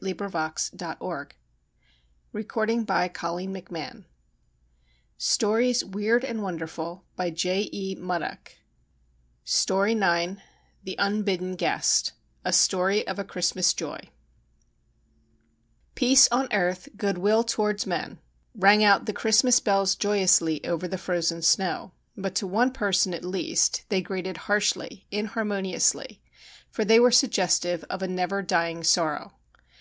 He sought a glorious death, and found it. io6 STORIES WEIRD AND WONDERFUL IX THE UNBIDDEN GUEST A STORY OF A CHRISTMAS JOY ' Peace on earth, goodwill towards men,' rang out the Christmas bells joyously over the frozen snow ; but to one person at least they grated harshly, inharmoniously, for they were suggestive of a never dying sorrow.